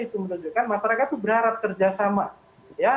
itu menunjukkan masyarakat itu berharap kerjasama ya